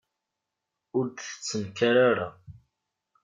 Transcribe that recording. Ur d-tettnekkar ara.